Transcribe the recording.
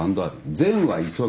善は急げ。